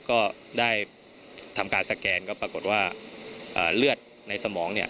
ก็ได้ทำการสแกนก็ปรากฏว่าเลือดในสมองเนี่ย